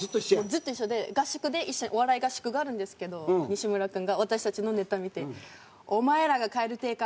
ずっと一緒で合宿でお笑い合宿があるんですけど西村君が私たちのネタ見て「お前らが蛙亭か。